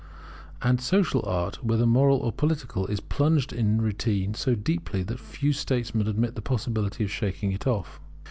And Social Art, whether moral or political, is plunged in routine so deeply that few statesmen admit the possibility of shaking it off.